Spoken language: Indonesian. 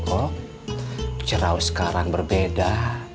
kok ciraos sekarang berbeda